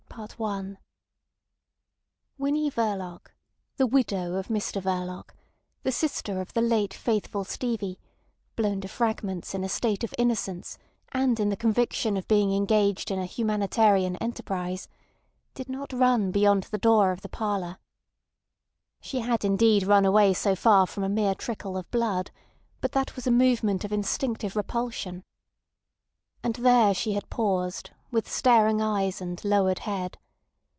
CHAPTER XII Winnie Verloc, the widow of Mr Verloc, the sister of the late faithful Stevie (blown to fragments in a state of innocence and in the conviction of being engaged in a humanitarian enterprise), did not run beyond the door of the parlour. She had indeed run away so far from a mere trickle of blood, but that was a movement of instinctive repulsion. And there she had paused, with staring eyes and lowered head.